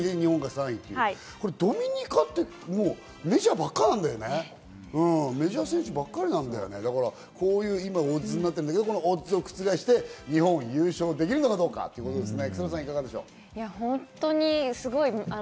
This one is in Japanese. ドミニカって、メジャーばっかなんだよね、メジャー選手ばっかりで、こういう今、オッズなんだけど、オッズを覆して日本が優勝できるのかどうかですね。